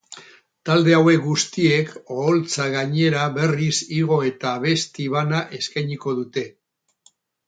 Talde hauek guztiek oholtza gainera berriz igo eta abesti bana eskainiko dute.